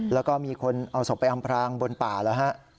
แล้วก็มีคนเอาศพไปอำพรางบนป่าแล้วฮะ